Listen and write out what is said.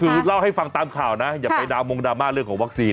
คือเล่าให้ฟังตามข่าวนะอย่าไปดาวมงดราม่าเรื่องของวัคซีน